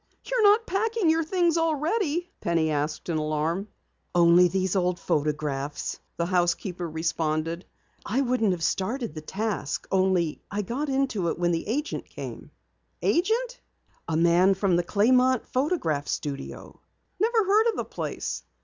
"You're not packing your things already?" Penny asked in alarm. "Only these photographs," the housekeeper responded. "I wouldn't have started the task, only I got into it when the agent came." "Agent?" "A man from the Clamont Photograph Studio." "Never heard of the place."